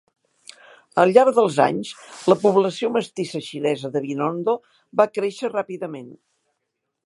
Al llarg dels anys, la població mestissa xinesa de Binondo va créixer ràpidament.